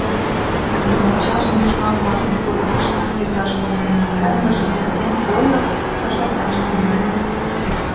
Но ачажын ушкал-влакым курыкышко кӱташ поктен наҥгайымыже нерген кольо да шорташ тӱҥале.